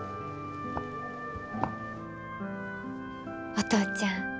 お父ちゃん